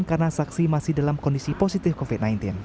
karena saksi masih dalam kondisi positif covid sembilan belas